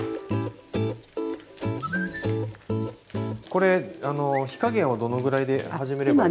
これ火加減はどのぐらいで始めれば。